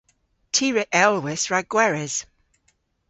Ty re elwis rag gweres.